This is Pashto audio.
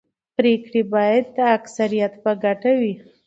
پرېکړې باید د اکثریت په ګټه وي